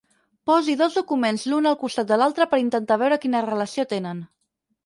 Posi dos documents l'un al costat de l'altre per intentar veure quina relació tenen.